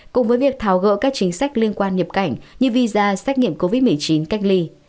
cùng với việc tháo gỡ các chính sách liên quan nhập cảnh như visa xét nghiệm covid một mươi chín cách ly